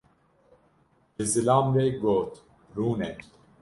....’’, ji zilam re got: “rûnê”.